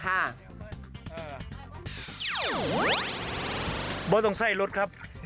อ่าไม่ต้องใส่รถครับ